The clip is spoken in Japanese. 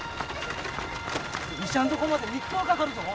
医者んとこまで３日はかかるぞ。